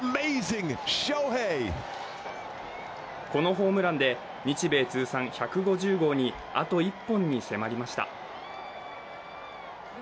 このホームランで日米通算１５０号にあと１本に迫りました。